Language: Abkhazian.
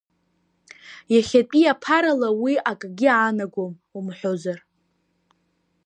Иахьатәи аԥарала уи акгьы аанагом умҳәозар…